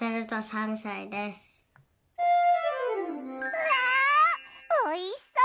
うわおいしそう！